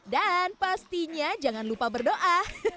dan pastinya jangan lupa berdoa